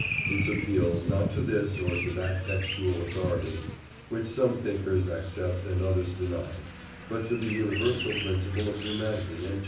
its appeal not to this or to that textual authority, which some thinkers accept and others deny, but to the universal principle of humanity and justice.